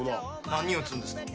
何打つんですか？